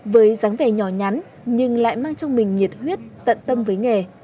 với dáng vẻ nhỏ nhắn nhưng lại mang trong mình nhiệt huyết tận tâm với nghề